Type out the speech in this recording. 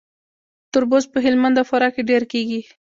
تربوز په هلمند او فراه کې ډیر کیږي.